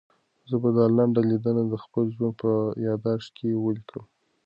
زه به دا لنډه لیدنه د خپل ژوند په یادښت کې ولیکم.